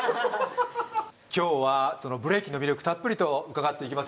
今日はそのブレイキンの魅力たっぷりと伺っていきます